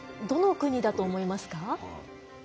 どの国だと思いますか？